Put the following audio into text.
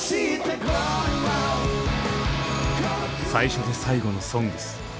最初で最後の「ＳＯＮＧＳ」。